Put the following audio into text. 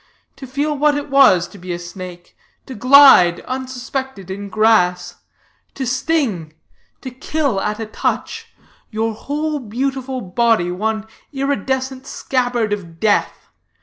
to feel what it was to be a snake? to glide unsuspected in grass? to sting, to kill at a touch; your whole beautiful body one iridescent scabbard of death?